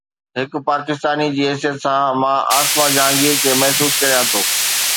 هڪ پاڪستاني جي حيثيت سان مان عاصمه جهانگير کي محسوس ڪريان ٿو.